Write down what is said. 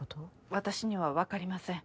私にはわかりません。